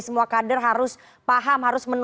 semua kader harus paham